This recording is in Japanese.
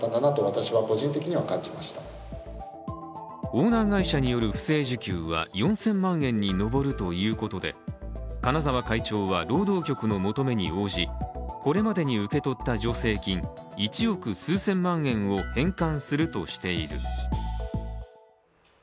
オーナー会社による不正受給は４０００万円に上るということで金沢会長は労働局の求めに応じ、これまでに受け取った助成金、１億数千万円を返還するとしている。